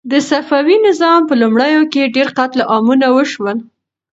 د صفوي نظام په لومړیو کې ډېر قتل عامونه وشول.